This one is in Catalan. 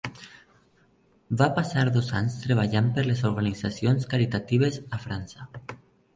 Va passar dos anys treballant per a organitzacions caritatives a França.